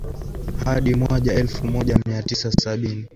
hadi mwaja elfu moja mia tisa sabini